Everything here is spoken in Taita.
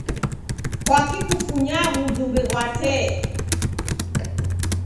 Kwaki kufunyaa w'ujumbe ghwa tee?